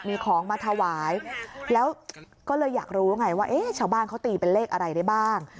มีของมาถวายแล้วก็เลยอยากรู้ไงว่าเอ๊ะชาวบ้านเขาตีเป็นเลขอะไรได้บ้าง